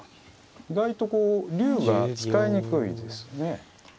意外とこう竜が使いにくいですね。